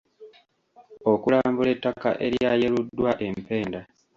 Okulambula ettaka eryayeruddwa empenda.